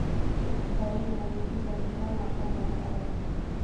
Sheikh karume aliitisha mkutano wa kwanza wa hadhara